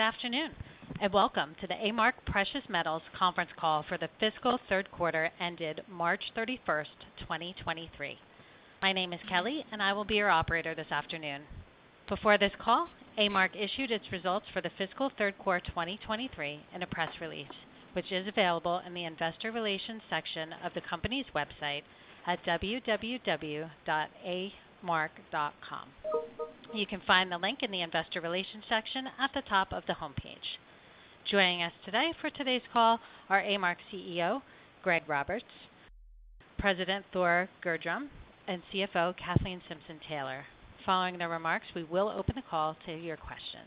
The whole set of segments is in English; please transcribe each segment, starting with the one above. Good afternoon, and welcome to the A-Mark Precious Metals conference call for the fiscal third quarter ended March 31st, 2023. My name is Kelly, and I will be your operator this afternoon. Before this call, A-Mark issued its results for the fiscal third quarter 2023 in a press release, which is available in the Investor Relations section of the company's website at www.amark.com. You can find the link in the investor relations section at the top of the homepage. Joining us today for today's call are A-Mark CEO Greg Roberts, President Thor Gjerdrum, and CFO Kathleen Simpson-Taylor. Following their remarks, we will open the call to your questions.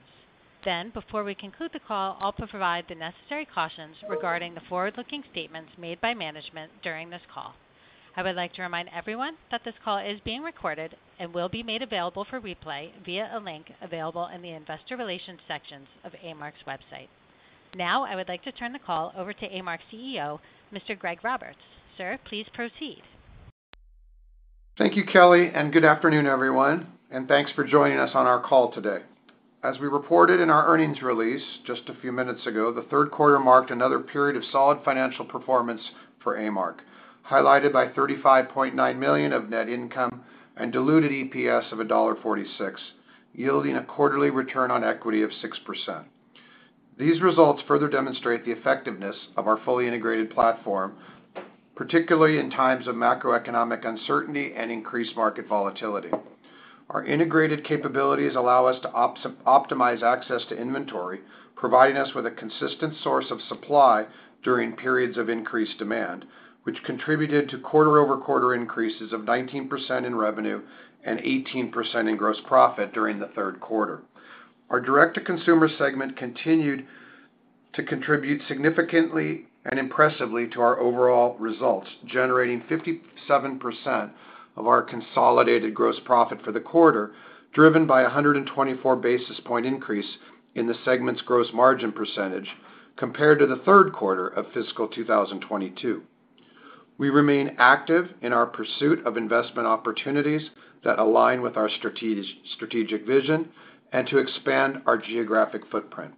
Then, before we conclude the call, I'll provide the necessary cautions regarding the forward-looking statements made by management during this call. I would like to remind everyone that this call is being recorded and will be made available for replay via a link available in the investor relations sections of A-Mark's website. Now, I would like to turn the call over to A-Mark's CEO, Mr. Greg Roberts. Sir, please proceed. Thank you, Kelly. Good afternoon, everyone, and thanks for joining us on our call today. As we reported in our earnings release just a few minutes ago, the third quarter marked another period of solid financial performance for A-Mark, highlighted by $35.9 million of net income and diluted EPS of $1.46, yielding a quarterly return on equity of 6%. These results further demonstrate the effectiveness of our fully integrated platform, particularly in times of macroeconomic uncertainty and increased market volatility. Our integrated capabilities allow us to optimize access to inventory, providing us with a consistent source of supply during periods of increased demand, which contributed to quarter-over-quarter increases of 19% in revenue and 18% in gross profit during the third quarter. Our direct-to-consumer segment continued to contribute significantly and impressively to our overall results, generating 57% of our consolidated gross profit for the quarter, driven by a 124 basis point increase in the segment's gross margin percentage compared to the third quarter of fiscal 2022. We remain active in our pursuit of investment opportunities that align with our strategic vision and to expand our geographic footprint.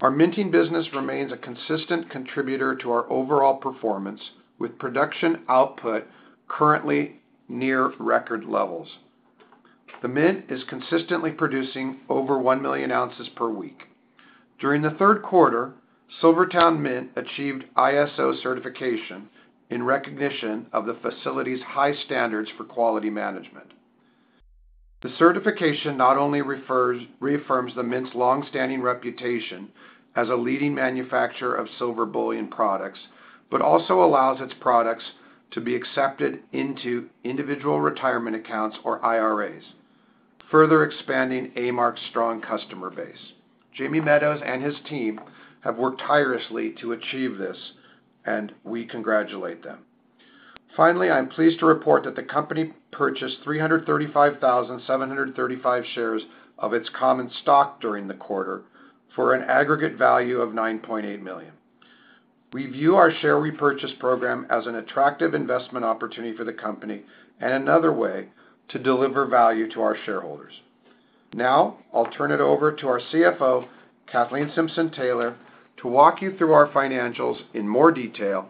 Our minting business remains a consistent contributor to our overall performance, with production output currently near record levels. The Mint is consistently producing over 1 million oz per week. During the third quarter, Silver Towne Mint achieved ISO certification in recognition of the facility's high standards for quality management. The certification not only reaffirms the Mint's long-standing reputation as a leading manufacturer of silver bullion products, but also allows its products to be accepted into individual retirement accounts or IRAs, further expanding A-Mark's strong customer base. Jamie Meadows and his team have worked tirelessly to achieve this. We congratulate them. Finally, I'm pleased to report that the company purchased 335,735 shares of its common stock during the quarter for an aggregate value of $9.8 million. We view our share repurchase program as an attractive investment opportunity for the company and another way to deliver value to our shareholders. I'll turn it over to our CFO, Kathleen Simpson-Taylor, to walk you through our financials in more detail.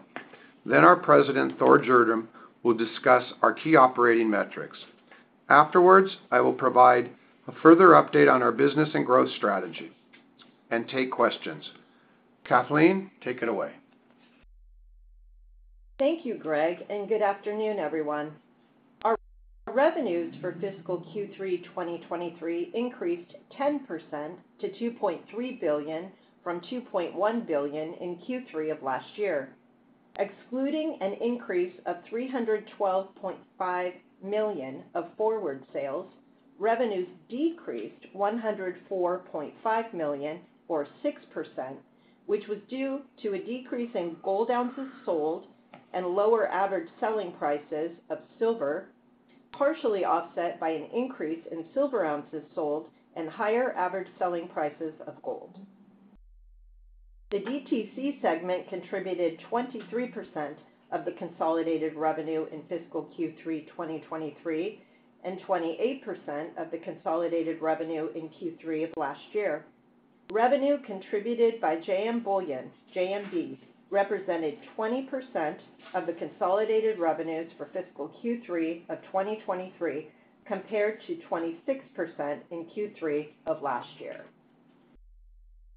Then, our President, Thor Gjerdrum, will discuss our key operating metrics. Afterwards, I will provide a further update on our business and growth strategy and take questions. Kathleen, take it away. Thank you, Greg, and good afternoon, everyone. Our revenues for fiscal Q3 2023 increased 10% to $2.3 billion from $2.1 billion in Q3 of last year. Excluding an increase of $312.5 million of forward sales, revenues decreased $104.5 million or 6%, which was due to a decrease in gold ounces sold and lower average selling prices of silver, partially offset by an increase in silver ounces sold and higher average selling prices of gold. The DTC segment contributed 23% of the consolidated revenue in fiscal Q3 2023 and 28% of the consolidated revenue in Q3 of last year. Revenue contributed by JM Bullion, JMB, represented 20% of the consolidated revenues for fiscal Q3 of 2023, compared to 26% in Q3 of last year.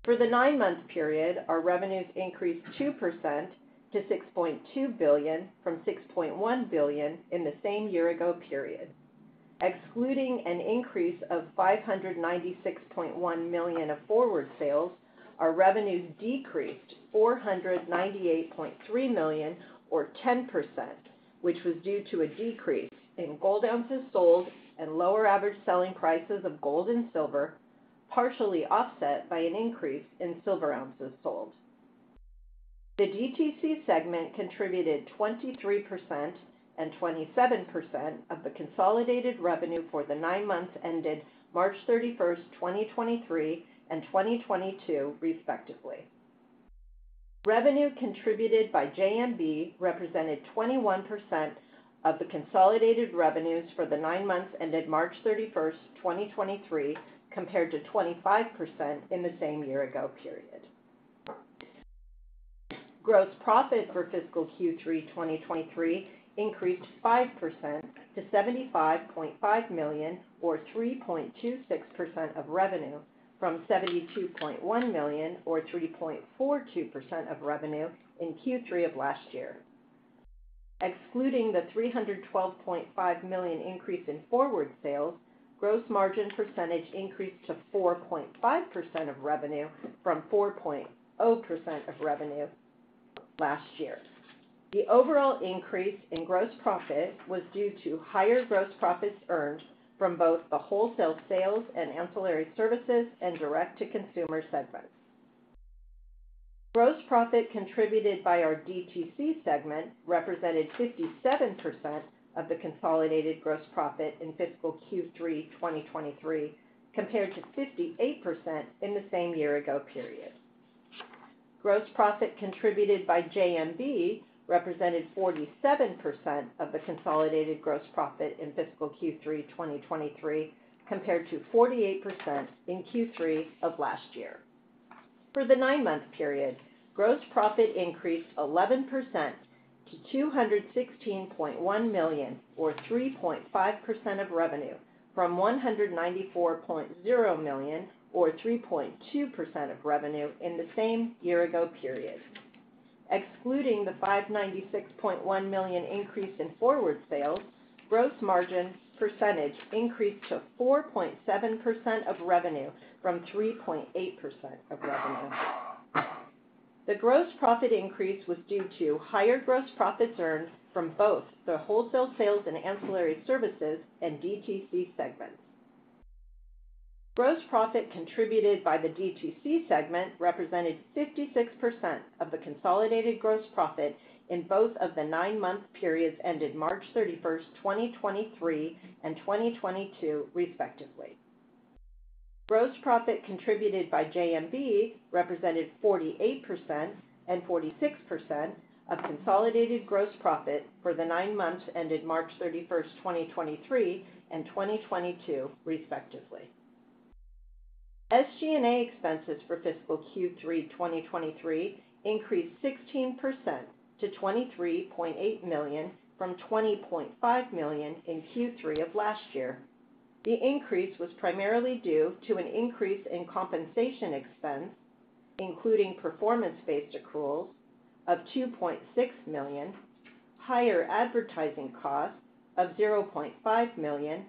For the nine-month period, our revenues increased 2% to $6.2 billion from $6.1 billion in the same year-ago period. Excluding an increase of $596.1 million of forward sales, our revenues decreased $498.3 million or 10%, which was due to a decrease in gold ounces sold and lower average selling prices of gold and silver, partially offset by an increase in silver ounces sold. The DTC segment contributed 23% and 27% of the consolidated revenue for the nine months ended March 31, 2023 and 2022, respectively. Revenue contributed by JMB represented 21% of the consolidated revenues for the nine months ended March 31, 2023, compared to 25% in the same year-ago period. Gross profit for fiscal Q3 2023 increased 5% to $75.5 million or 3.26% of revenue from $72.1 million or 3.42% of revenue in Q3 of last year. Excluding the $312.5 million increase in forward sales, gross margin percentage increased to 4.5% of revenue from 4.0% of revenue last year. The overall increase in gross profit was due to higher gross profits earned from both the wholesale sales and ancillary services and direct-to-consumer segments. Gross profit contributed by our DTC segment represented 57% of the consolidated gross profit in fiscal Q3 2023, compared to 58% in the same year ago period. Gross profit contributed by JMB represented 47% of the consolidated gross profit in fiscal Q3 2023, compared to 48% in Q3 of last year. For the nine-month period, gross profit increased 11% to $216.1 million or 3.5% of revenue from $194.0 million or 3.2% of revenue in the same year-ago period. Excluding the $596.1 million increase in forward sales, gross margin percentage increased to 4.7% of revenue from 3.8% of revenue. The gross profit increase was due to higher gross profits earned from both the wholesale sales and ancillary services and DTC segments. Gross profit contributed by the DTC segment represented 56% of the consolidated gross profit in both of the nine-month periods ended March 31st, 2023 and 2022 respectively. Gross profit contributed by JMB represented 48% and 46% of consolidated gross profit for the 9 months ended March 31st, 2023 and 2022 respectively. SG&A expenses for fiscal Q3 2023 increased 16% to $23.8 million from $20.5 million in Q3 of last year. The increase was primarily due to an increase in compensation expense, including performance-based accruals of $2.6 million, higher advertising costs of $0.5 million,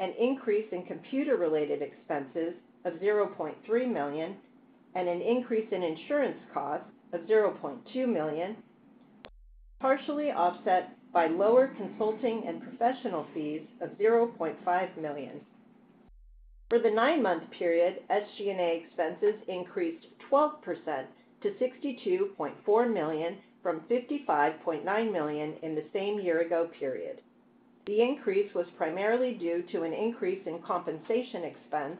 an increase in computer related expenses of $0.3 million, and an increase in insurance costs of $0.2 million, partially offset by lower consulting and professional fees of $0.5 million. For the nine month period, SG&A expenses increased 12% to $62.4 million from $55.9 million in the same year-ago period. The increase was primarily due to an increase in compensation expense,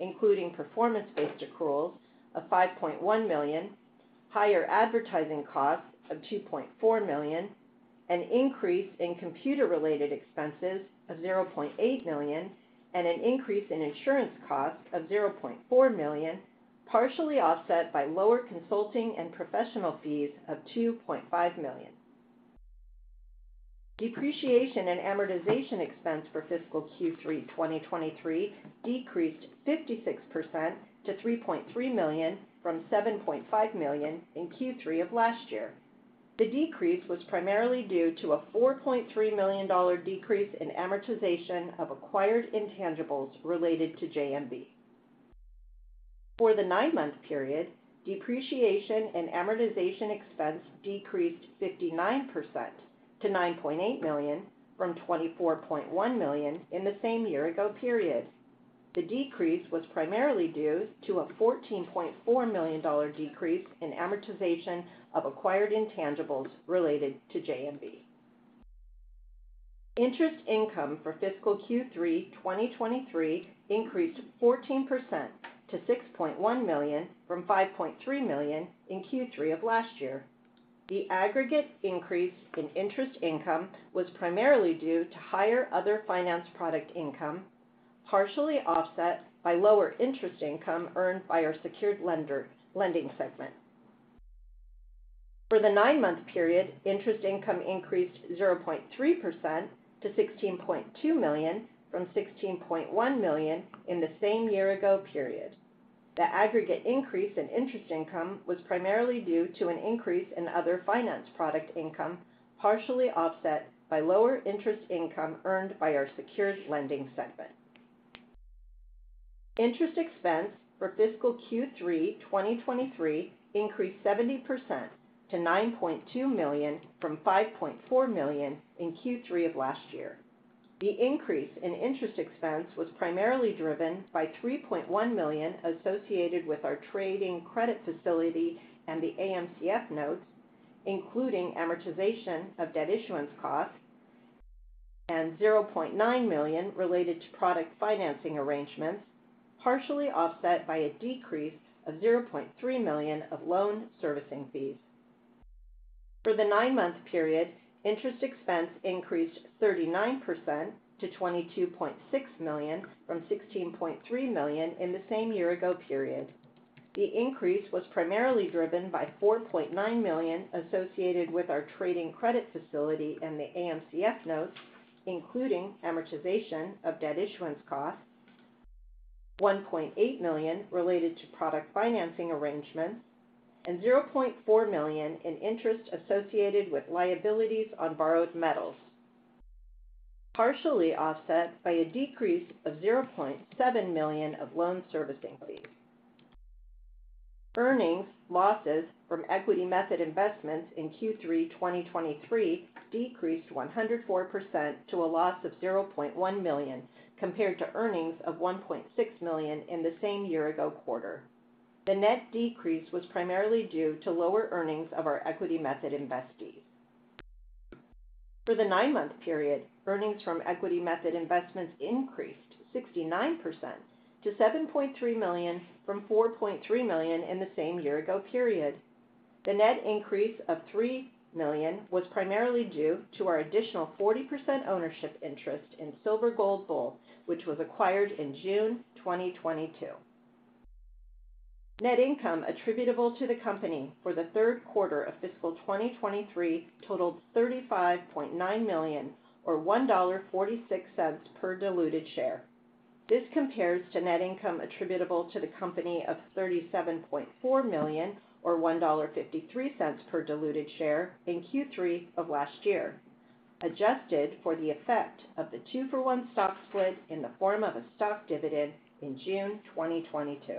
including performance based accruals of $5.1 million, higher advertising costs of $2.4 million, an increase in computer related expenses of $0.8 million, and an increase in insurance costs of $0.4 million, partially offset by lower consulting and professional fees of $2.5 million. Depreciation and amortization expense for fiscal Q3 2023 decreased 56% to $3.3 million from $7.5 million in Q3 of last year. The decrease was primarily due to a $4.3 million decrease in amortization of acquired intangibles related to JMB. For the nine-month period, depreciation and amortization expense decreased 59% to $9.8 million from $24.1 million in the same year-ago period. The decrease was primarily due to a $14.4 million decrease in amortization of acquired intangibles related to JMB. Interest income for fiscal Q3 2023 increased 14% to $6.1 million from $5.3 million in Q3 of last year. The aggregate increase in interest income was primarily due to higher other finance product income, partially offset by lower interest income earned by our secured lending segment. For the nine month period, interest income increased 0.3% to $16.2 million from $16.1 million in the same year-ago period. The aggregate increase in interest income was primarily due to an increase in other finance product income, partially offset by lower interest income earned by our secured lending segment. Interest expense for fiscal Q3 2023 increased 70% to $9.2 million from $5.4 million in Q3 of last year. The increase in interest expense was primarily driven by $3.1 million associated with our trading credit facility and the AMCF notes, including amortization of debt issuance costs, and $0.9 million related to product financing arrangements, partially offset by a decrease of $0.3 million of loan servicing fees. For the nine-month period, interest expense increased 39% to $22.6 million from $16.3 million in the same year-ago period. The increase was primarily driven by $4.9 million associated with our trading credit facility and the AMCF notes, including amortization of debt issuance costs, $1.8 million related to product financing arrangements, and $0.4 million in interest associated with liabilities on borrowed metals, partially offset by a decrease of $0.7 million of loan servicing fees. Earnings losses from equity method investments in Q3 2023 decreased 104% to a loss of $0.1 million, compared to earnings of $1.6 million in the same year-ago quarter. The net decrease was primarily due to lower earnings of our equity method investees. For the nine-month period, earnings from equity method investments increased 69% to $7.3 million from $4.3 million in the same year-ago period. The net increase of $3 million was primarily due to our additional 40% ownership interest in Silver Gold Bull, which was acquired in June 2022. Net income attributable to the company for the third quarter of fiscal 2023 totaled $35.9 million or $1.46 per diluted share. This compares to net income attributable to the company of $37.4 million or $1.53 per diluted share in Q3 of last year. Adjusted for the effect of the 2-for-1 stock split in the form of a stock dividend in June 2022.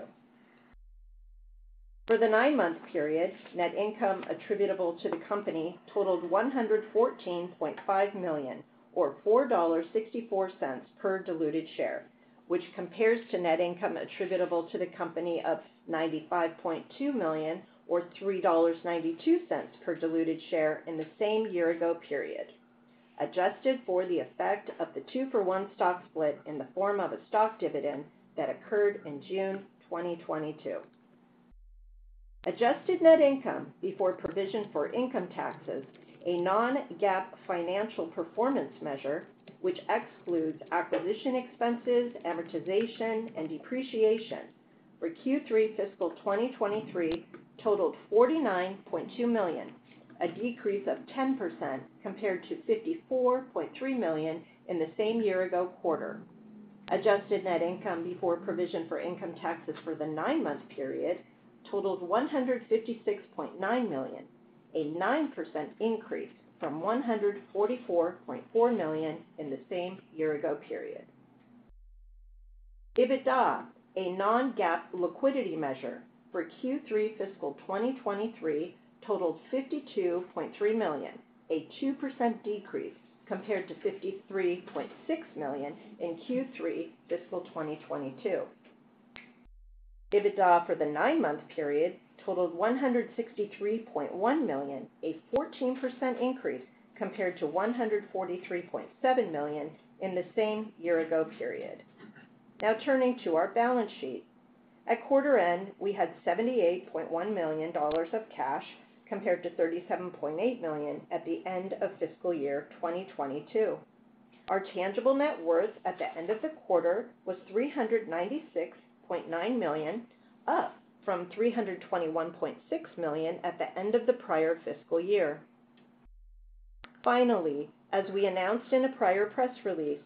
For the nine-month period, net income attributable to the company totaled $114.5 million or $4.64 per diluted share, which compares to net income attributable to the company of $95.2 million or $3.92 per diluted share in the same year-ago period. Adjusted for the effect of the 2-for-1 stock split in the form of a stock dividend that occurred in June 2022. Adjusted net income before provision for income taxes, a non-GAAP financial performance measure, which excludes acquisition expenses, amortization and depreciation for Q3 fiscal 2023 totaled $49.2 million, a decrease of 10% compared to $54.3 million in the same year-ago quarter. Adjusted net income before provision for income taxes for the nine-month period totaled $156.9 million, a 9% increase from $144.4 million in the same year-ago period. EBITDA, a non-GAAP liquidity measure for Q3 fiscal 2023 totaled $52.3 million, a 2% decrease compared to $53.6 million in Q3 fiscal 2022. EBITDA for the nine-month period totaled $163.1 million, a 14% increase compared to $143.7 million in the same year-ago period. Turning to our balance sheet. At quarter end, we had $78.1 million of cash, compared to $37.8 million at the end of fiscal year 2022. Our tangible net worth at the end of the quarter was $396.9 million, up from $321.6 million at the end of the prior fiscal year. Finally, as we announced in a prior press release,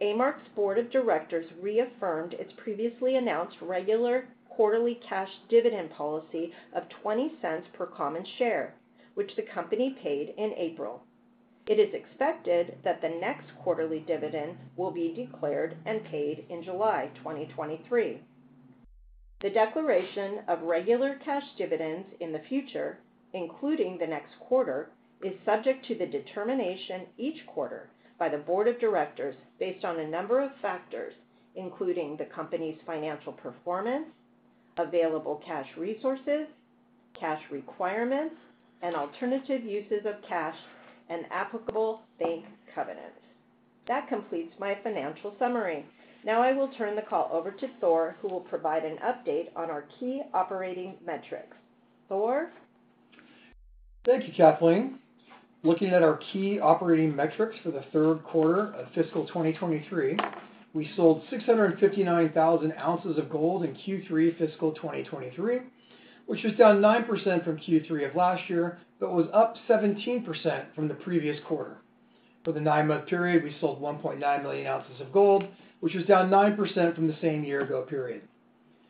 A-Mark's board of directors reaffirmed its previously announced regular quarterly cash dividend policy of $0.20 per common share, which the company paid in April. It is expected that the next quarterly dividend will be declared and paid in July 2023. The declaration of regular cash dividends in the future, including the next quarter, is subject to the determination each quarter by the board of directors based on a number of factors, including the company's financial performance, available cash resources, cash requirements, and alternative uses of cash, and applicable bank covenants. That completes my financial summary. Now I will turn the call over to Thor, who will provide an update on our key operating metrics. Thor. Thank you, Kathleen. Looking at our key operating metrics for the third quarter of fiscal 2023, we sold 659,000 oz of gold in Q3 fiscal 2023, which was down 9% from Q3 of last year, was up 17% from the previous quarter. For the nine-month period, we sold 1.9 million oz of gold, which was down 9% from the same year-ago period.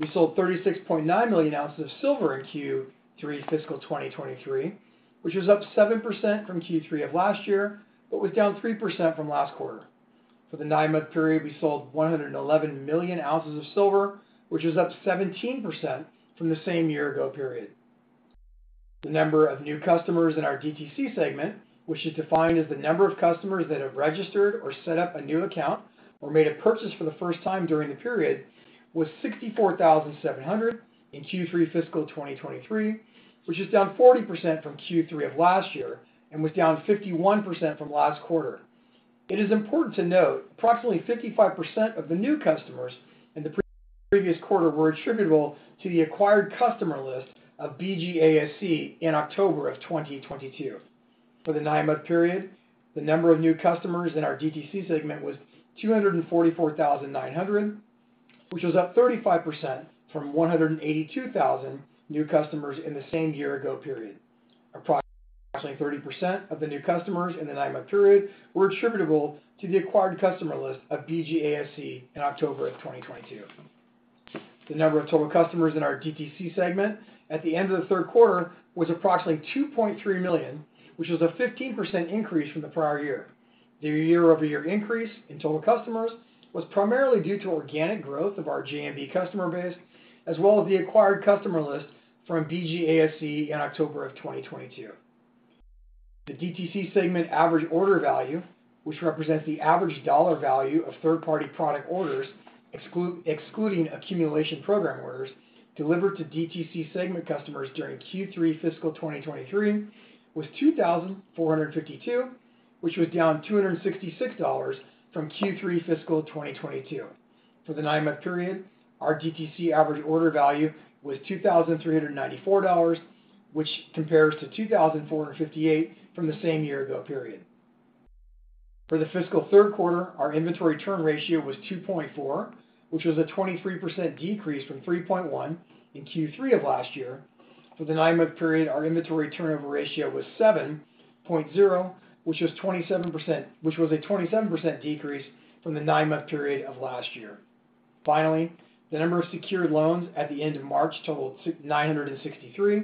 We sold 36.9 million oz of silver in Q3 fiscal 2023, which was up 7% from Q3 of last year, was down 3% from last quarter. For the nine-month period, we sold 111 million oz of silver, which is up 17% from the same year-ago period. The number of new customers in our DTC segment, which is defined as the number of customers that have registered or set up a new account or made a purchase for the first time during the period, was 64,700 in Q3 fiscal 2023, which is down 40% from Q3 of last year and was down 51% from last quarter. It is important to note approximately 55% of the new customers in the pre-previous quarter were attributable to the acquired customer list of BGASC in October 2022. For the nine-month period, the number of new customers in our DTC segment was 244,900, which was up 35% from 182,000 new customers in the same year-ago period. Approximately 30% of the new customers in the nine-month period were attributable to the acquired customer list of BGASC in October 2022. The number of total customers in our DTC segment at the end of the third quarter was approximately 2.3 million, which was a 15% increase from the prior year. The year-over-year increase in total customers was primarily due to organic growth of our JMB customer base, as well as the acquired customer list from BGASC in October 2022. The DTC segment average order value, which represents the average dollar value of third-party product orders excluding accumulation program orders delivered to DTC segment customers during Q3 fiscal 2023 was $2,452, which was down $266 from Q3 fiscal 2022. For the nine-month period, our DTC average order value was $2,394, which compares to $2,458 from the same year-ago period. For the fiscal third quarter, our inventory turn ratio was 2.4, which was a 23% decrease from 3.1 in Q3 of last year. For the nine-month period, our inventory turnover ratio was 7.0, which was a 27% decrease from the nine-month period of last year. Finally, the number of secured loans at the end of March totaled 963,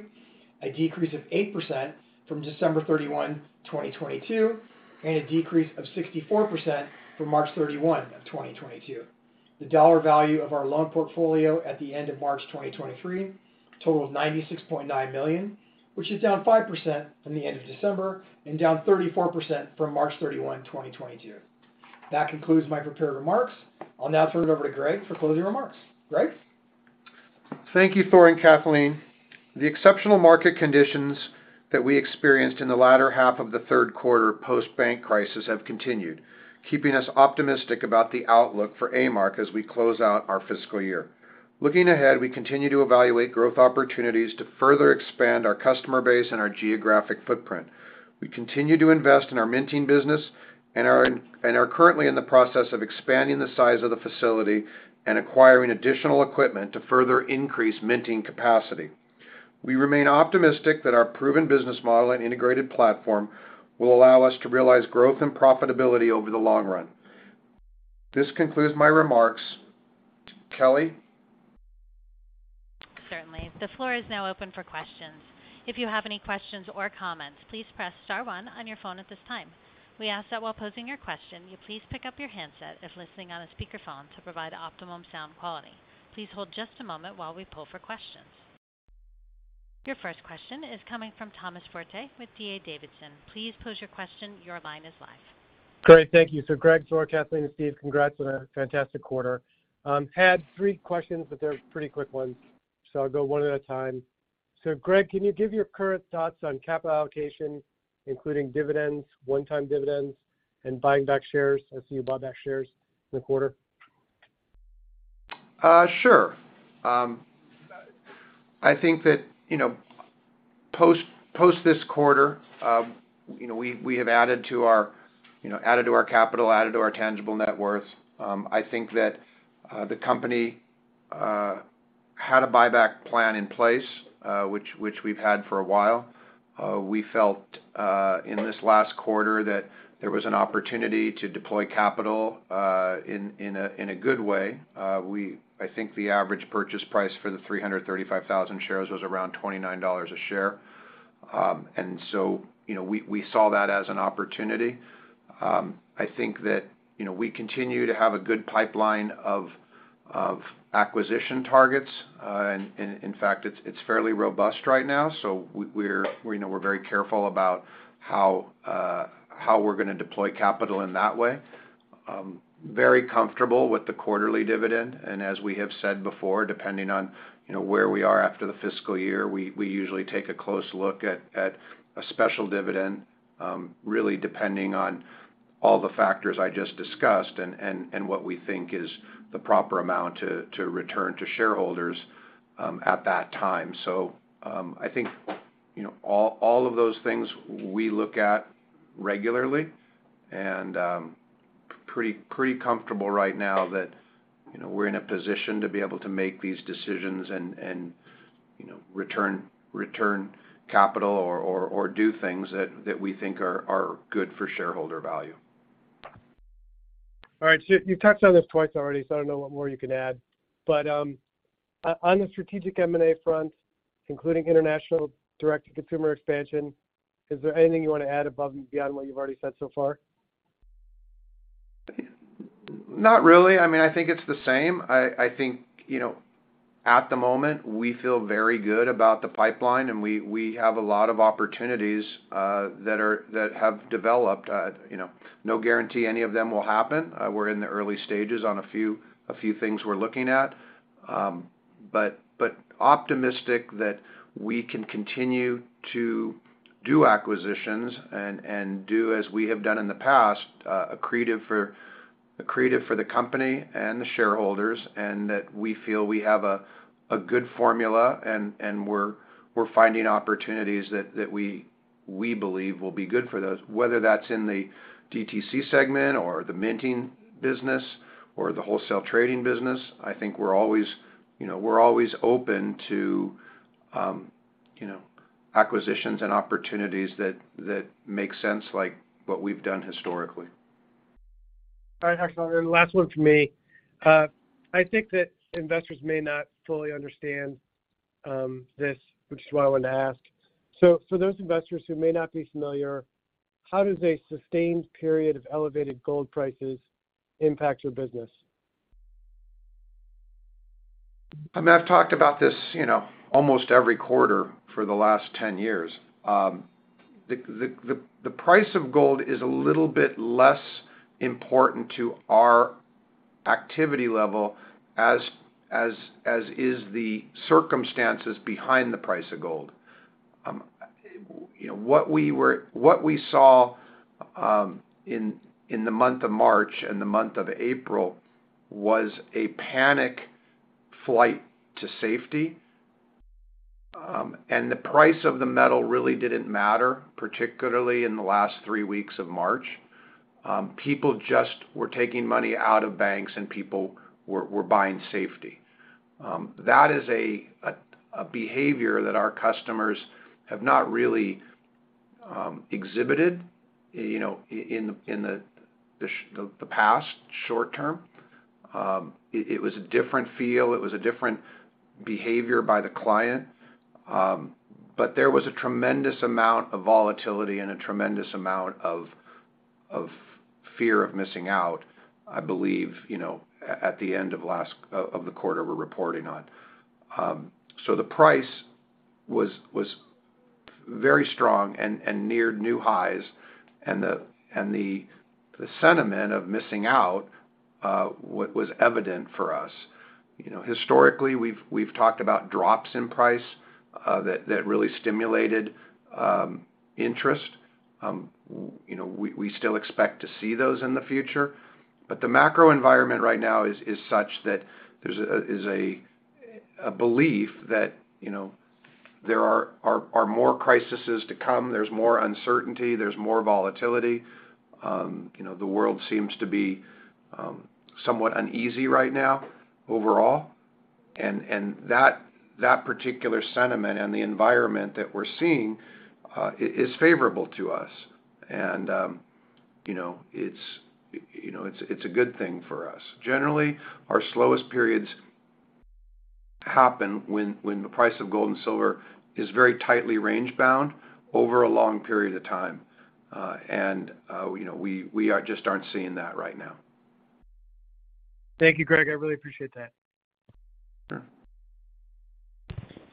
a decrease of 8% from December 31, 2022, and a decrease of 64% from March 31, 2022. The dollar value of our loan portfolio at the end of March 2023 totaled $96.9 million, which is down 5% from the end of December and down 34% from March 31, 2022. That concludes my prepared remarks. I'll now turn it over to Greg for closing remarks. Greg? Thank you, Thor and Kathleen. The exceptional market conditions that we experienced in the latter half of the third quarter post-bank crisis have continued, keeping us optimistic about the outlook for A-Mark as we close out our fiscal year. Looking ahead, we continue to evaluate growth opportunities to further expand our customer base and our geographic footprint. We continue to invest in our minting business and are currently in the process of expanding the size of the facility and acquiring additional equipment to further increase minting capacity. We remain optimistic that our proven business model and integrated platform will allow us to realize growth and profitability over the long run. This concludes my remarks. Kelly? Certainly. The floor is now open for questions. If you have any questions or comments, please press star one on your phone at this time. We ask that while posing your question, you please pick up your ha-ndset if listening on a speakerphone to provide optimum sound quality. Please hold just a moment while we pull for questions. Your first question is coming from Thomas Forte with D.A. Davidson. Please pose your question. Your line is live. Great. Thank you. Greg, Thor, Kathleen, and Steve, congrats on a fantastic quarter. Had three questions, but they're pretty quick ones, so I'll go one at a time. Greg, can you give your current thoughts on capital allocation, including dividends, one-time dividends, and buying back shares? I see you bought back shares in the quarter. Sure. I think that post this quarter, we have added to our capital, added to our tangible net worth. I think that the company had a buyback plan in place, which we've had for a while. We felt in this last quarter that there was an opportunity to deploy capital in a good way. I think the average purchase price for the 335,000 shares was around $29 a share. We saw that as an opportunity. I think that we continue to have a good pipeline of acquisition targets. In fact, it's fairly robust right now. We're, you know, we're very careful about how we're gonna deploy capital in that way. Very comfortable with the quarterly dividend. As we have said before, depending on, you know, where we are after the fiscal year, we usually take a close look at a special dividend, really depending on all the factors I just discussed and what we think is the proper amount to return to shareholders at that time. I think, you know, all of those things we look at regularly, and pretty comfortable right now that, you know, we're in a position to be able to make these decisions and, you know, return capital or do things that we think are good for shareholder value. All right. You've touched on this twice already, so I don't know what more you can add. On the strategic M&A front, including international direct-to-consumer expansion, is there anything you want to add above and beyond what you've already said so far? Not really. I mean, I think it's the same. I think, you know, at the moment, we feel very good about the pipeline, and we have a lot of opportunities that have developed. You know, no guarantee any of them will happen. We're in the early stages on a few things we're looking at. Optimistic that we can continue to do acquisitions and do as we have done in the past, accretive for the company and the shareholders, and that we feel we have a good formula and we're finding opportunities that we believe will be good for those. Whether that's in the DTC segment or the minting business or the wholesale trading business, I think we're always, you know, open to, you know, acquisitions and opportunities that make sense, like what we've done historically. All right, excellent. Last one from me. I think that investors may not fully understand, this, which is why I want to ask. For those investors who may not be familiar, how does a sustained period of elevated gold prices impact your business? I mean, I've talked about this, you know, almost every quarter for the last 10 years. The price of gold is a little bit less important to our activity level as is the circumstances behind the price of gold. You know, what we saw in the month of March and the month of April was a panic flight to safety, and the price of the metal really didn't matter, particularly in the last three weeks of March. People just were taking money out of banks and people were buying safety. That is a behavior that our customers have not really exhibited, you know, in the past short term. It was a different feel. It was a different behavior by the client. There was a tremendous amount of volatility and a tremendous amount of fear of missing out, I believe, you know, at the end of last— of the quarter we're reporting on. The price was very strong and neared new highs. The sentiment of missing out was evident for us. You know, historically, we've talked about drops in price that really stimulated interest. You know, we still expect to see those in the future. The macro environment right now is such that there's a belief that, you know, there are more crises to come, there's more uncertainty, there's more volatility. You know, the world seems to be somewhat uneasy right now overall. That particular sentiment and the environment that we're seeing, is favorable to us. You know, it's a good thing for us. Generally, our slowest periods happen when the price of gold and silver is very tightly range bound over a long period of time. You know, we just aren't seeing that right now. Thank you, Greg. I really appreciate that.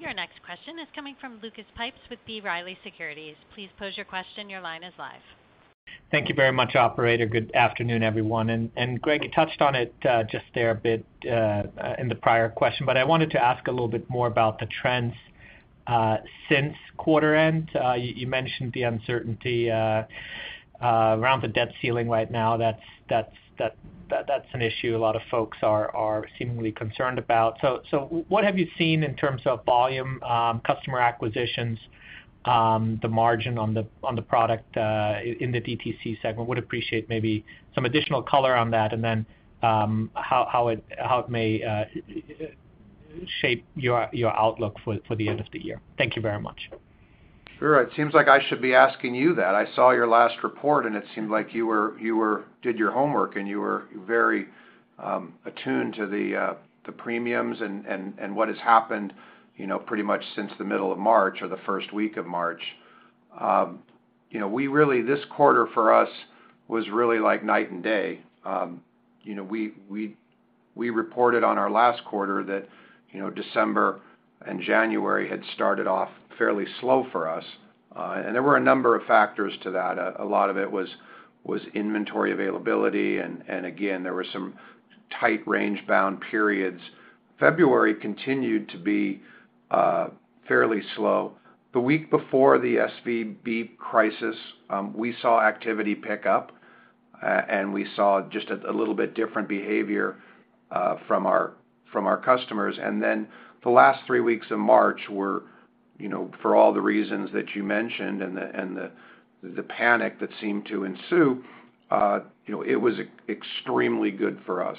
Sure. Your next question is coming from Lucas Pipes with B. Riley Securities. Please pose your question. Your line is live. Thank you very much, operator. Good afternoon, everyone. Greg, you touched on it, just there a bit, in the prior question, but I wanted to ask a little bit more about the trends, since quarter end. You mentioned the uncertainty, around the debt ceiling right now. That's an issue a lot of folks are seemingly concerned about. What have you seen in terms of volume, customer acquisitions, the margin on the, on the product, in the DTC segment? Would appreciate maybe some additional color on that, and then, how it may, shape your outlook for the end of the year. Thank you very much. Sure. It seems like I should be asking you that. I saw your last report, and it seemed like you were— did your homework, and you were very attuned to the premiums and what has happened, you know, pretty much since the middle of March or the first week of March. You know, we really this quarter for us was really like night and day. You know, we reported on our last quarter that, you know, December and January had started off fairly slow for us. There were a number of factors to that. A lot of it was inventory availability. And again, there were some tight range bound periods. February continued to be fairly slow. The week before the SVB crisis, we saw activity pick up, and we saw just a little bit different behavior from our customers. Then the last three weeks of March were, you know, for all the reasons that you mentioned and the panic that seemed to ensue, you know, it was extremely good for us.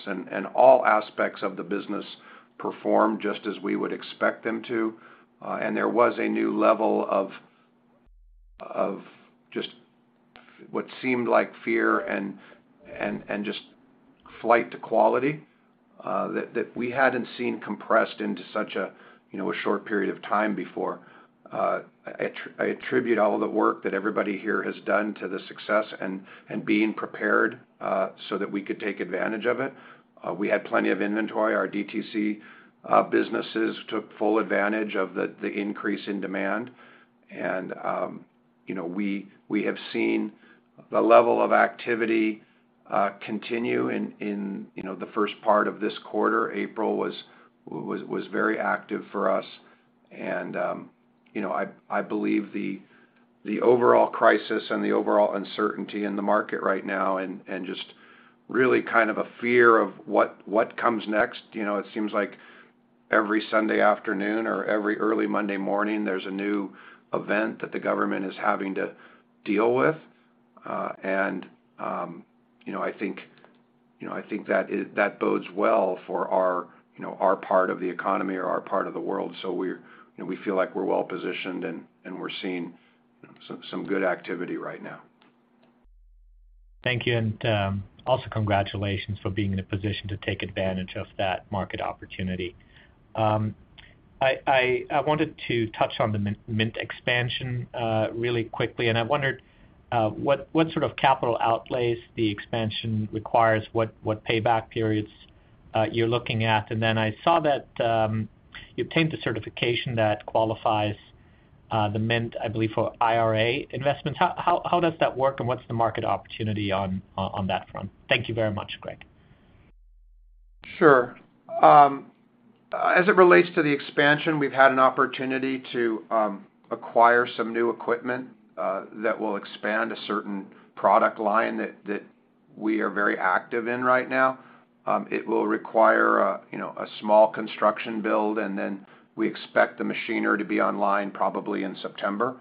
All aspects of the business performed just as we would expect them to. There was a new level of just what seemed like fear and just flight to quality that we hadn't seen compressed into such a, you know, a short period of time before. I attribute all the work that everybody here has done to the success and being prepared so that we could take advantage of it. We had plenty of inventory. Our DTC businesses took full advantage of the increase in demand. You know, we have seen the level of activity continue in, you know, the first part of this quarter. April was very active for us and, you know, I believe the overall crisis and the overall uncertainty in the market right now and just really kind of a fear of what comes next. You know, it seems like every Sunday afternoon or every early Monday morning, there's a new event that the government is having to deal with. You know, I think, you know, I think that bodes well for our, you know, part of the economy or our part of the world. We're, you know, we feel like we're well-positioned and we're seeing some good activity right now. Thank you. Also congratulations for being in a position to take advantage of that market opportunity. I wanted to touch on the mint expansion really quickly, and I wondered what sort of capital outlays the expansion requires, what payback periods you're looking at. I saw that you obtained a certification that qualifies the mint, I believe, for IRA investments. How does that work, and what's the market opportunity on that front? Thank you very much, Greg. Sure. As it relates to the expansion, we've had an opportunity to acquire some new equipment that will expand a certain product line that we are very active in right now. It will require, you know, a small construction build, and then we expect the machinery to be online probably in September.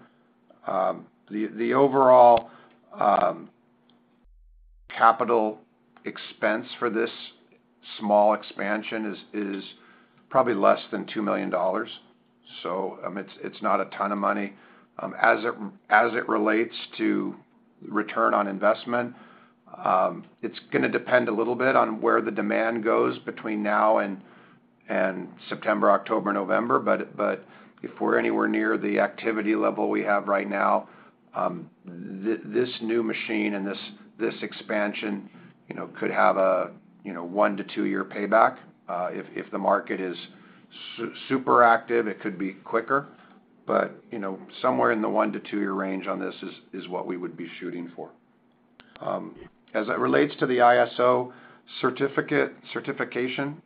The overall capital expense for this small expansion is probably less than $2 million, so, I mean, it's not a ton of money. As it relates to return on investment, it's gonna depend a little bit on where the demand goes between now and September, October, November. If we're anywhere near the activity level we have right now, this new machine and this expansion, you know, could have a, you know, one- to two-year payback. If the market is super active, it could be quicker. You know, somewhere in the one- to two-year range on this is what we would be shooting for. As it relates to the ISO certification,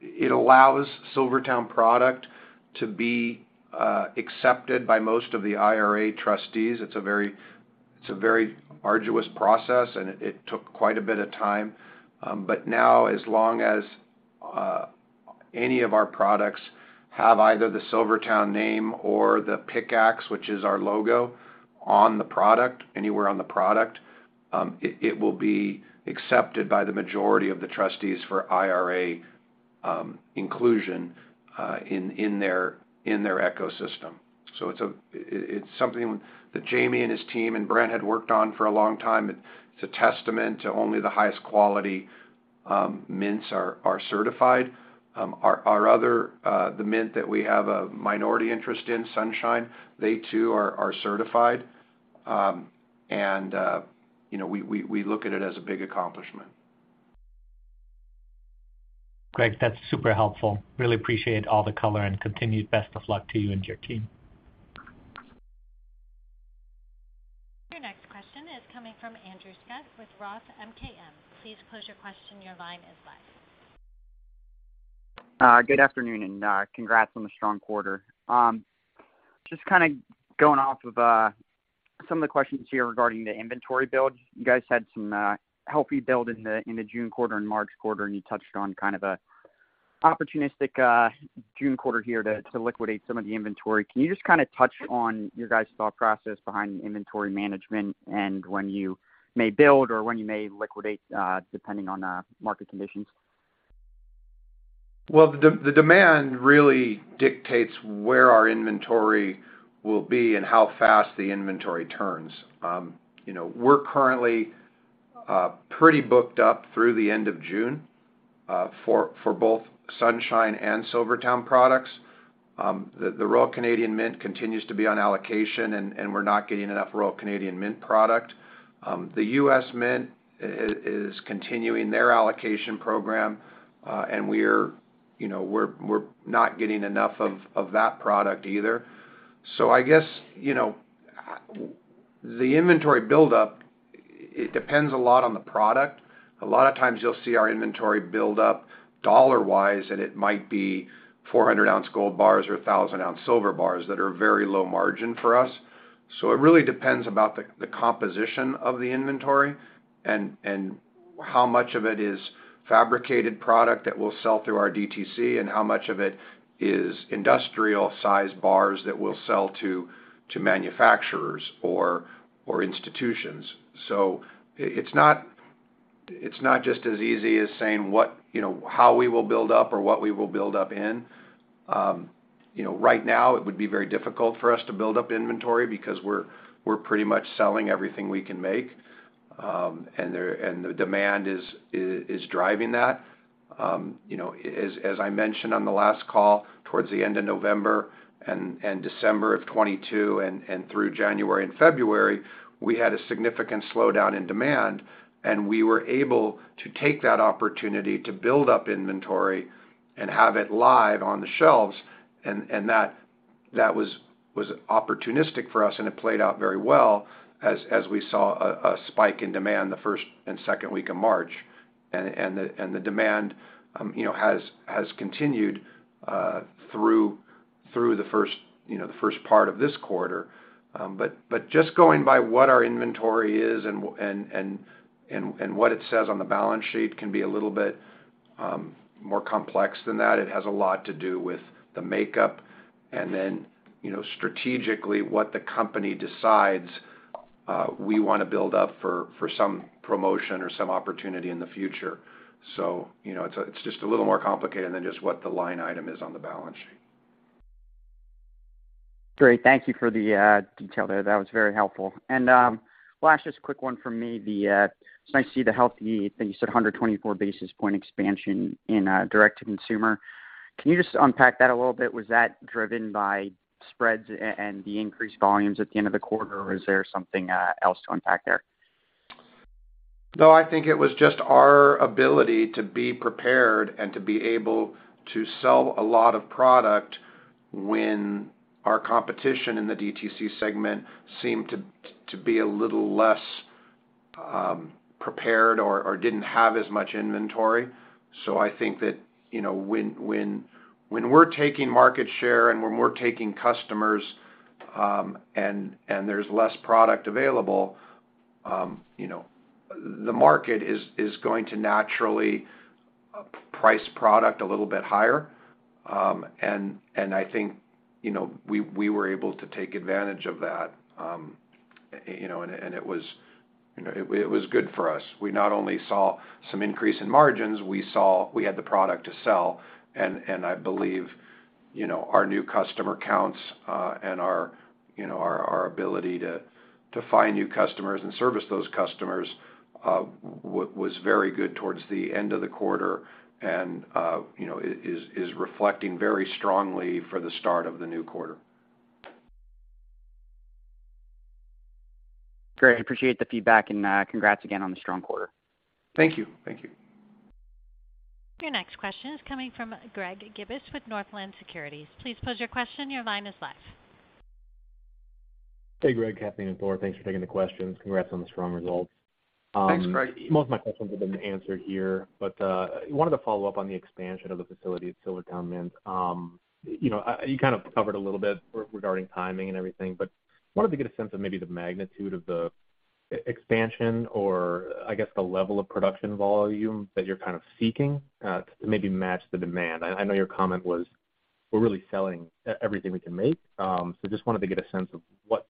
it allows SilverTowne product to be accepted by most of the IRA trustees. It's a very arduous process, and it took quite a bit of time. Now as long as any of our products have either the SilverTowne name or the pick-axe, which is our logo, on the product, anywhere on the product, it will be accepted by the majority of the trustees for IRA inclusion in their ecosystem. It's something that Jamie and his team and Brent had worked on for a long time. It's a testament to only the highest quality mints are certified. Our other, the mint that we have a minority interest in, Sunshine, they too are certified. You know, we look at it as a big accomplishment. Greg, that's super helpful. Really appreciate all the color and continued best of luck to you and your team. Your next question is coming from Andrew Scutt with Roth MKM. Please pose your question. Your line is live. Good afternoon and congrats on the strong quarter. Just kinda going off of some of the questions here regarding the inventory build. You guys had some healthy build in the June quarter and March quarter, and you touched on kind of a opportunistic June quarter here to liquidate some of the inventory. Can you just kinda touch on your guys' thought process behind inventory management and when you may build or when you may liquidate, depending on market conditions? Well, the demand really dictates where our inventory will be and how fast the inventory turns. You know, we're currently pretty booked up through the end of June for both Sunshine and SilverTowne products. The Royal Canadian Mint continues to be on allocation, and we're not getting enough Royal Canadian Mint product. The U.S. Mint is continuing their allocation program, and we're, you know, we're not getting enough of that product either. I guess, you know, the inventory buildup, it depends a lot on the product. A lot of times you'll see our inventory build up dollar-wise, and it might be 400-oz gold bars or 1,000-oz silver bars that are very low margin for us. It really depends about the composition of the inventory and how much of it is fabricated product that we'll sell through our DTC, and how much of it is industrial-sized bars that we'll sell to manufacturers or institutions. It's not just as easy as saying what, you know, how we will build up or what we will build up in. You know, right now it would be very difficult for us to build up inventory because we're pretty much selling everything we can make. And the demand is driving that. You know, as I mentioned on the last call, towards the end of November and December of 2022 and through January and February, we had a significant slowdown in demand, and we were able to take that opportunity to build up inventory and have it live on the shelves. That was opportunistic for us, and it played out very well as we saw a spike in demand the first and second week of March. The demand, you know, has continued through the first, you know, the first part of this quarter. Just going by what our inventory is and what it says on the balance sheet can be a little bit more complex than that. It has a lot to do with the makeup, and then, you know, strategically, what the company decides, we wanna build up for some promotion or some opportunity in the future. You know, it's just a little more complicated than just what the line item is on the balance sheet. Great. Thank you for the detail there. That was very helpful. Last, just a quick one from me. It's nice to see the healthy, I think you said 124 basis point expansion in direct-to-consumer. Can you just unpack that a little bit? Was that driven by spreads and the increased volumes at the end of the quarter, or is there something else to unpack there? I think it was just our ability to be prepared and to be able to sell a lot of product when our competition in the DTC segment seemed to be a little less prepared or didn't have as much inventory. I think that, you know, when we're taking market share and when we're taking customers, and there's less product available, you know, the market is going to naturally price product a little bit higher. I think, you know, we were able to take advantage of that. You know, it was, you know, it was good for us. We not only saw some increase in margins, we saw we had the product to sell. I believe, you know, our new customer counts, and our, you know, our ability to find new customers and service those customers, was very good towards the end of the quarter and, you know, is reflecting very strongly for the start of the new quarter. Great. Appreciate the feedback and congrats again on the strong quarter. Thank you. Thank you. Your next question is coming from Greg Gibas with Northland Securities. Please pose your question. Your line is live. Hey, Greg, Kathleen, and Thor. Thanks for taking the questions. Congrats on the strong results. Thanks, Greg. Most of my questions have been answered here, but wanted to follow up on the expansion of the facility at Silver Towne Mint. You know, you kind of covered a little bit regarding timing and everything, but wanted to get a sense of maybe the magnitude of the expansion or I guess the level of production volume that you're kind of seeking to maybe match the demand. I know your comment was, we're really selling everything we can make. Just wanted to get a sense of what,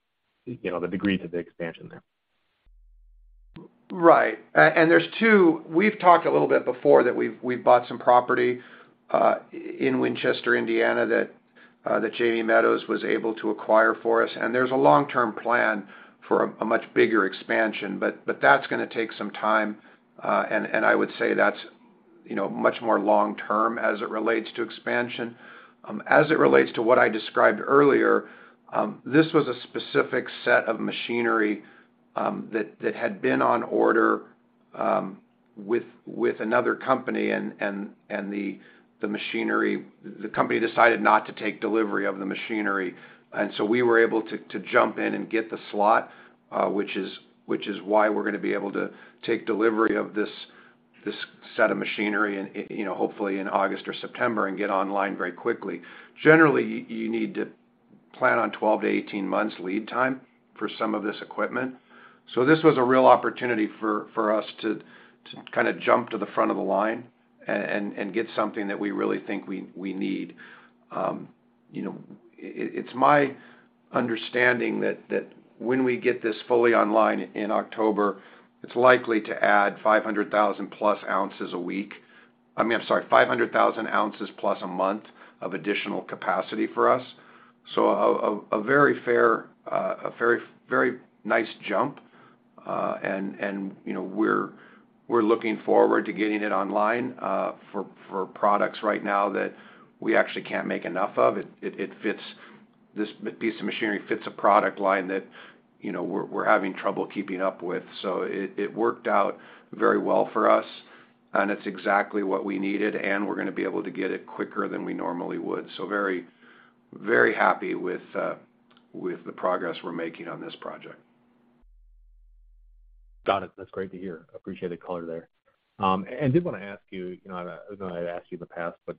you know, the degree to the expansion there. Right. There's two. We've talked a little bit before that we've bought some property in Winchester, Indiana, that Jamie Meadows was able to acquire for us, and there's a long-term plan for a much bigger expansion. That's gonna take some time, and I would say that's, you know, much more long term as it relates to expansion. As it relates to what I described earlier, this was a specific set of machinery that had been on order with another company and the machinery. The company decided not to take delivery of the machinery, we were able to jump in and get the slot, which is why we're gonna be able to take delivery of this set of machinery and, you know, hopefully in August or September and get online very quickly. Generally, you need to plan on 12-18 months lead time for some of this equipment. This was a real opportunity for us to kinda jump to the front of the line and get something that we really think we need. You know, it's my understanding that when we get this fully online in October, it's likely to add 500,000+ oz a week. I mean, I'm sorry, 500,000+ oz a month of additional capacity for us. A very fair, a very nice jump. And, you know, we're looking forward to getting it online for products right now that we actually can't make enough of. This piece of machinery fits a product line that, you know, we're having trouble keeping up with. It worked out very well for us, and it's exactly what we needed, and we're gonna be able to get it quicker than we normally would. Very happy with the progress we're making on this project. Got it. That's great to hear. Appreciate the color there. Did wanna ask you know, I know I've asked you in the past, but,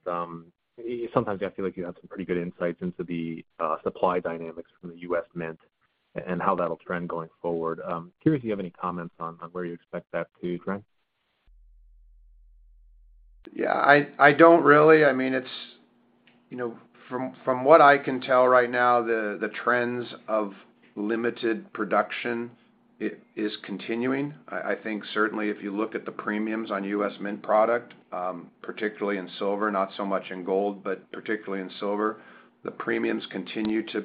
sometimes I feel like you have some pretty good insights into the supply dynamics from the U.S. Mint and how that'll trend going forward. Curious if you have any comments on where you expect that to trend? Yeah. I don't really. I mean, it's, you know, from what I can tell right now, the trends of limited production is continuing. I think certainly if you look at the premiums on U.S. Mint product, particularly in silver, not so much in gold, but particularly in silver, the premiums continue to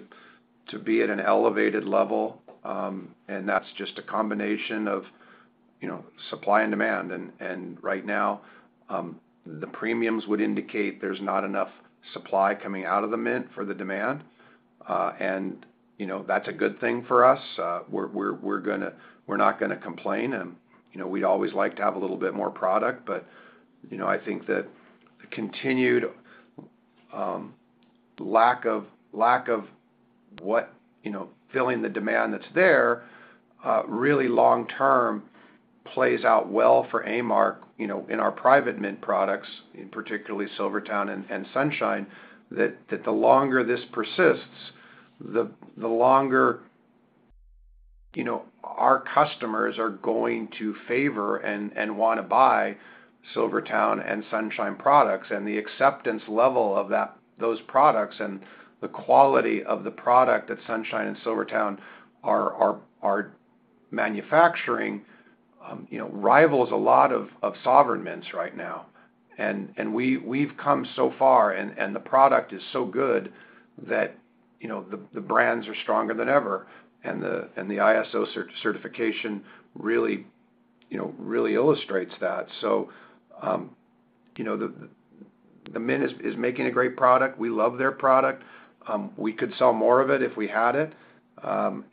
be at an elevated level. That's just a combination of, you know, supply and demand. Right now, the premiums would indicate there's not enough supply coming out of the Mint for the demand. You know, that's a good thing for us. We're not gonna complain and, you know, we always like to have a little bit more product, but, you know, I think that the continued lack of what, you know, filling the demand that's there, really long term plays out well for A-Mark, you know, in our private mint products, in particularly SilverTowne and Sunshine, that the longer this persists, the longer, you know, our customers are going to favor and wanna buy SilverTowne and Sunshine products. The acceptance level of those products and the quality of the product that Sunshine and SilverTowne are manufacturing, you know, rivals a lot of sovereign mints right now. We've come so far and the product is so good that the brands are stronger than ever and the ISO certification really illustrates that. The mint is making a great product. We love their product. We could sell more of it if we had it. We'll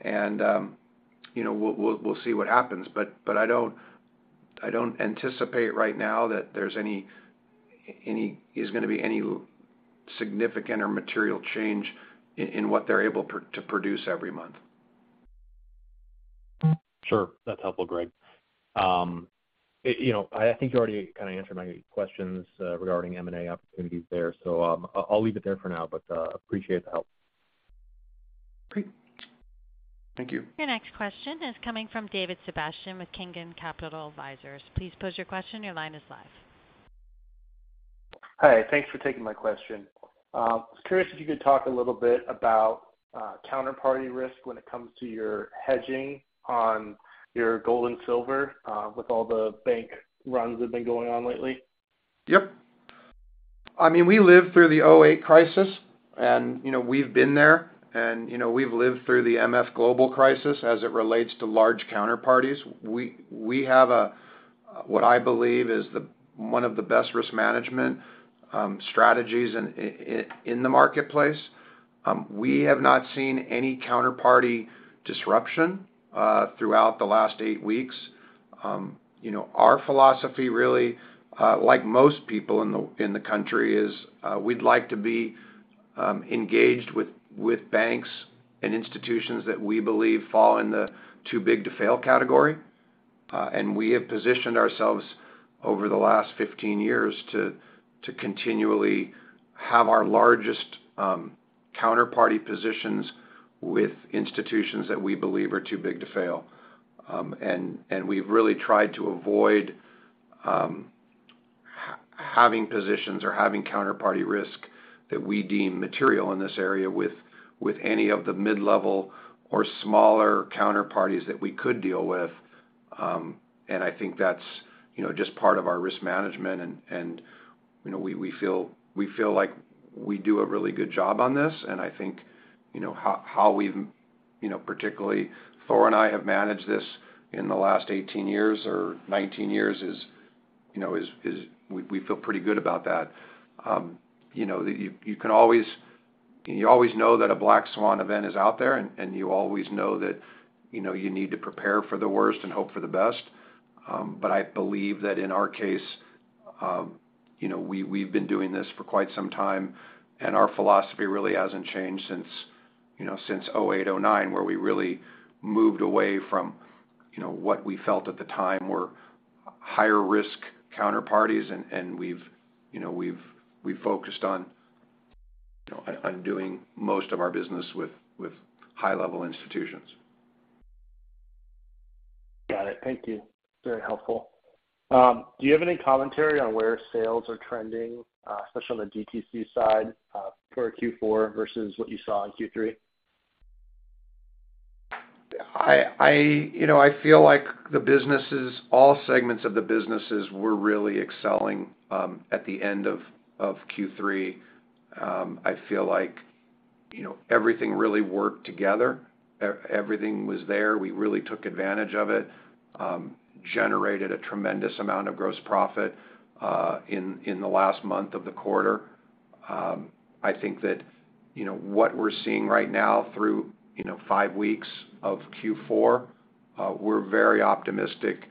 see what happens. I don't anticipate right now that there's any significant or material change in what they're able to produce every month. Sure. That's helpful, Greg. You know, I think you already kinda answered my questions regarding M&A opportunities there. I'll leave it there for now. Appreciate the help. Great. Thank you. Your next question is coming from David Sebastian with Kingdom Capital Advisors. Please pose your question. Your line is live. Hi. Thanks for taking my question. I was curious if you could talk a little bit about counterparty risk when it comes to your hedging on your gold and silver with all the bank runs that have been going on lately? Yep. I mean, we lived through the 2008 crisis and, you know, we've been there and, you know, we've lived through the MF Global crisis as it relates to large counterparties. We have what I believe is one of the best risk management strategies in the marketplace. We have not seen any counterparty disruption throughout the last eight weeks. You know, our philosophy really, like most people in the country is, we'd like to be engaged with banks and institutions that we believe fall in the too-big-to-fail category. We have positioned ourselves over the last 15 years to continually have our largest counterparty positions with institutions that we believe are too big to fail. We've really tried to avoid having positions or having counterparty risk that we deem material in this area with any of the mid-level or smaller counterparties that we could deal with. I think that's, you know, just part of our risk management and, you know, we feel like we do a really good job on this. I think, you know, how we've, you know, particularly Thor and I have managed this in the last 18 years or 19 years is, you know, is we feel pretty good about that. You know, you always know that a black swan event is out there, and you always know that, you know, you need to prepare for the worst and hope for the best. I believe that in our case, we've been doing this for quite some time, and our philosophy really hasn't changed since 2008, 2009, where we really moved away from what we felt at the time were higher risk counterparties. And we've focused on doing most of our business with high-level institutions. Got it. Thank you. Very helpful. Do you have any commentary on where sales are trending, especially on the DTC side, for Q4 versus what you saw in Q3? I you know, I feel like the businesses, all segments of the businesses were really excelling at the end of Q3. I feel like, you know, everything really worked together. Everything was there. We really took advantage of it, generated a tremendous amount of gross profit in the last month of the quarter. I think that, you know, what we're seeing right now through, you know, five weeks of Q4, we're very optimistic.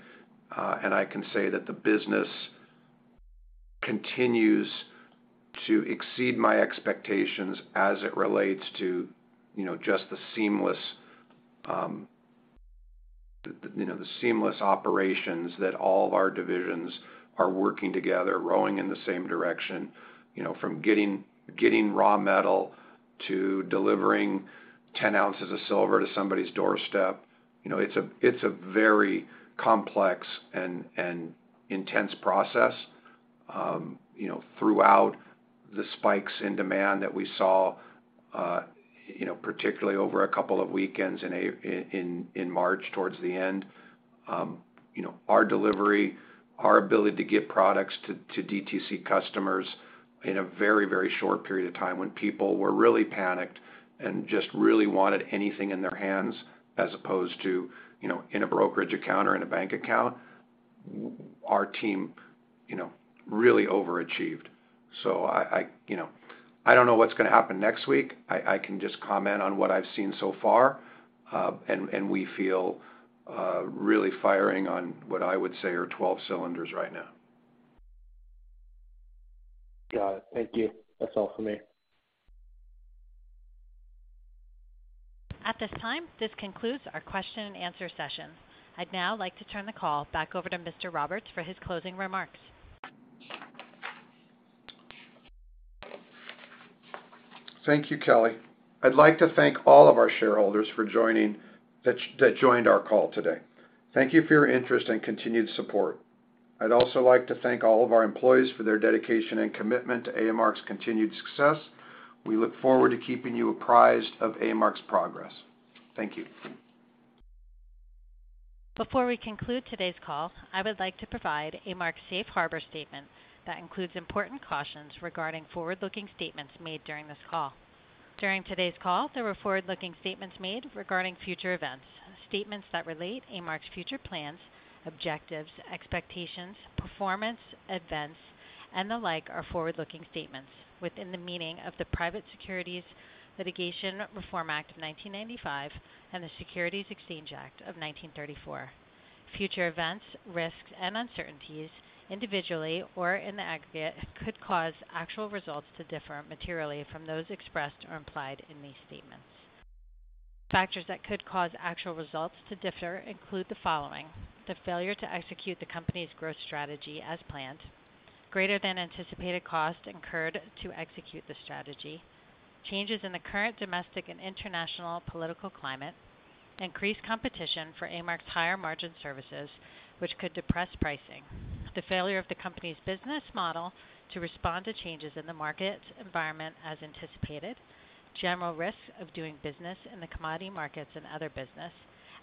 I can say that the business continues to exceed my expectations as it relates to, you know, just the seamless, you know, the seamless operations that all of our divisions are working together, rowing in the same direction. You know, from getting raw metal to delivering 10 oz of silver to somebody's doorstep, it's a very complex and intense process. You know, throughout the spikes in demand that we saw, you know, particularly over a couple of weekends in March towards the end, you know, our delivery, our ability to get products to DTC customers in a very, very short period of time when people were really panicked and just really wanted anything in their hands as opposed to, you know, in a brokerage account or in a bank account, our team, you know, really overachieved. I, you know, I don't know what's gonna happen next week. I can just comment on what I've seen so far. We feel, really firing on what I would say are 12 cylinders right now. Got it. Thank you. That's all for me. At this time, this concludes our question and answer session. I'd now like to turn the call back over to Mr. Roberts for his closing remarks. Thank you, Kelly. I'd like to thank all of our shareholders for joining that joined our call today. Thank you for your interest and continued support. I'd also like to thank all of our employees for their dedication and commitment to A-Mark's continued success. We look forward to keeping you apprised of A-Mark's progress. Thank you. Before we conclude today's call, I would like to provide A-Mark's Safe Harbor statement that includes important cautions regarding forward-looking statements made during this call. During today's call, there were forward-looking statements made regarding future events. Statements that relate A-Mark's future plans, objectives, expectations, performance, events, and the like are forward-looking statements within the meaning of the Private Securities Litigation Reform Act of 1995 and the Securities Exchange Act of 1934. Future events, risks, and uncertainties, individually or in the aggregate, could cause actual results to differ materially from those expressed or implied in these statements. Factors that could cause actual results to differ include the following: the failure to execute the company's growth strategy as planned, greater than anticipated costs incurred to execute the strategy, changes in the current domestic and international political climate, increased competition for A-Mark's higher margin services, which could depress pricing, the failure of the company's business model to respond to changes in the market environment as anticipated, general risks of doing business in the commodity markets and other business,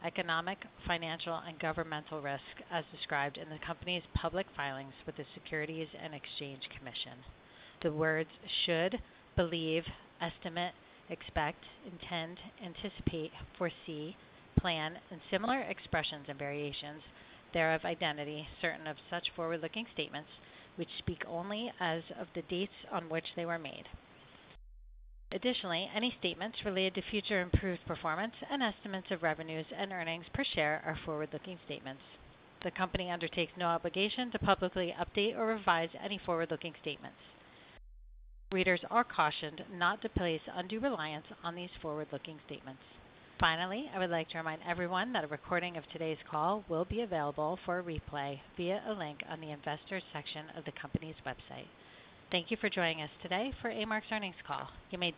economic, financial, and governmental risks as described in the company's public filings with the Securities and Exchange Commission. The words should, believe, estimate, expect, intend, anticipate, foresee, plan, and similar expressions and variations thereof identify certain of such forward-looking statements which speak only as of the dates on which they were made. Any statements related to future improved performance and estimates of revenues and earnings per share are forward-looking statements. The company undertakes no obligation to publicly update or revise any forward-looking statements. Readers are cautioned not to place undue reliance on these forward-looking statements. Finally, I would like to remind everyone that a recording of today's call will be available for replay via a link on the Investors section of the company's website. Thank you for joining us today for A-Mark's earnings call. You may disconnect.